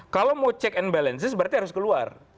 kalau mau check and balances berarti harus keluar